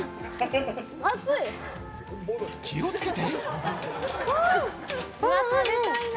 気をつけて。